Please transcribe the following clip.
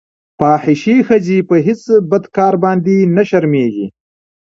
فاحشې ښځې په هېڅ بد کار باندې نه شرمېږي.